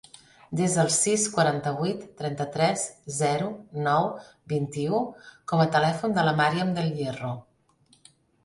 Desa el sis, quaranta-vuit, trenta-tres, zero, nou, vint-i-u com a telèfon de la Màriam Del Hierro.